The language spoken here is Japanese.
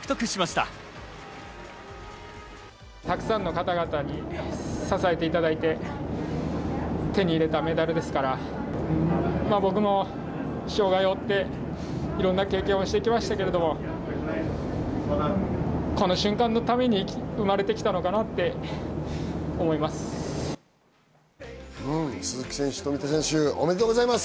たくさんの方々に支えていただいて手に入れたメダルですから、僕も障害を負っていろんな経験をしてきましたけれども、この瞬間のために生まれてきたのかなって思います。